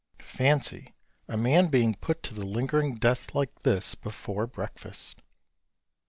Fancy a man being put to the lingering death like this before breakfast!